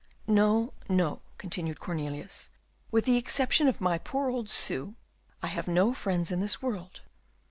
No, no," continued Cornelius; "with the exception of my poor old Sue, I have no friends in this world."